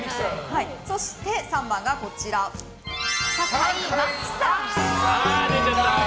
そして３番が、坂井真紀さん。